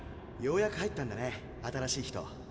ようやく入ったんだね新しい人。